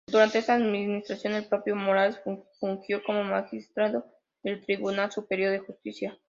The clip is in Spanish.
Durante esta administración, el propio Morales fungió como magistrado del Tribunal Superior de Justicia.